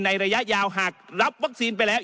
ระยะยาวหากรับวัคซีนไปแล้ว